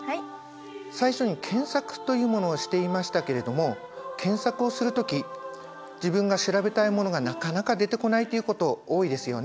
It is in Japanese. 最初に検索というものをしていましたけれども検索をする時自分が調べたいものがなかなか出てこないということ多いですよね。